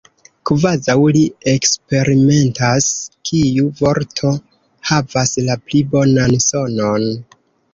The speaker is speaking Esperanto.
kvazaŭ li eksperimentas kiu vorto havas la pli bonan sonon.